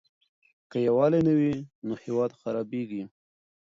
که يووالی نه وي نو هېواد خرابيږي.